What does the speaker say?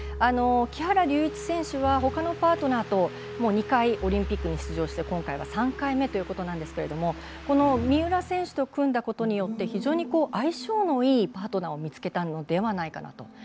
木原龍一選手はほかのパートナーと２回、オリンピックに出場して今回が３回目ですが三浦選手と組んだことによって非常に相性のいいパートナーを見つけたのではないかなと。